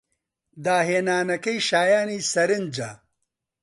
داهێنانەکەی شایانی سەرنجە.